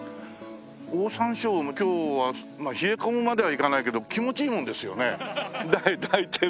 オオサンショウウオも今日は冷え込むまではいかないけど気持ちいいもんですよね抱いてると。